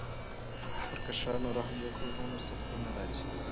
که پر کشرانو رحم وکړو نو سختي نه راځي.